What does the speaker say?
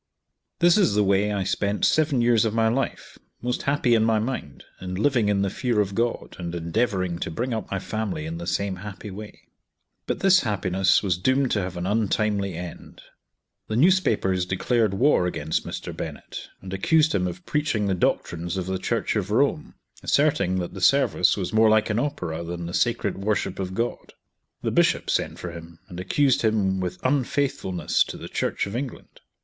This is the way I spent seven years of my life, most happy in my mind, and living in the fear of God, and endeavoring to bring up my family in the same happy way. But this happiness was doomed to have an untimely end. The newspapers declared war against Mr. Bennett, and accused him of preaching the doctrines of the Church of Rome, asserting that the service was more like an opera than the sacred worship of God. The Bishop sent for him, and accused him with unfaithfulness to the Church of England.